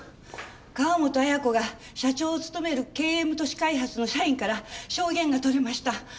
川本綾子が社長を務めるＫＭ土地開発の社員から証言が取れました。